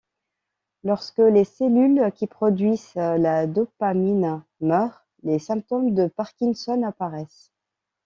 Lorsque les cellules qui produisent la dopamine meurent, les symptômes de Parkinson apparaissent.